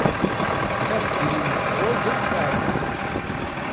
Abeddel n ccɣel d astaɛfu.